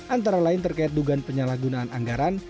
antara lain terkait dugaan penyalahgunaan anggaran